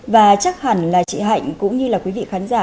và chắc hẳn là chị hạnh cũng như là quý vị khán giả